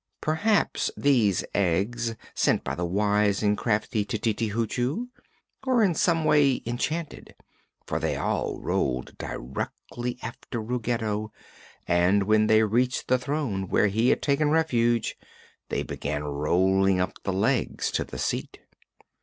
Perhaps these eggs, sent by the wise and crafty Tititi Hoochoo, were in some way enchanted, for they all rolled directly after Ruggedo and when they reached the throne where he had taken refuge they began rolling up the legs to the seat.